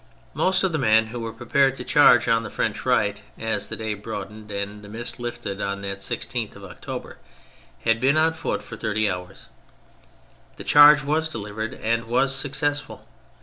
Most of the men who were pre pared to charge on the French right as the day broadened and the mist lifted on that 16th of October, had been on foot for thirty hours. The charge was delivered, and was successful.